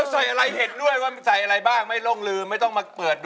ใส่อะไรเผ็ดด้วยว่ามันใส่อะไรบ้างไม่ลงลืมไม่ต้องมาเปิด